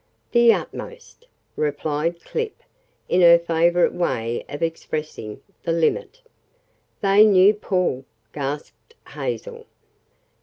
"The utmost!" replied Clip, in her favorite way of expressing "the limit." "They knew Paul!" gasped Hazel.